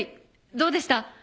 どうでした？